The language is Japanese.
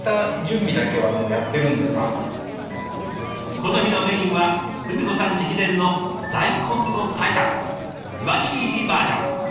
この日のメインは文子さん直伝の大根の炊いたんイワシ入りバージョン。